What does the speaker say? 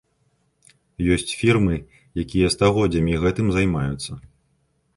Ёсць фірмы, якія стагоддзямі гэтым займаюцца.